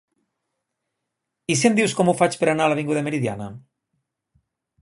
I si em dius com ho faig per anar a l'avinguda Meridiana?